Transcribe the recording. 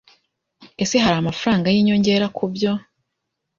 Ese hari amafaranga yinyongera kubyo?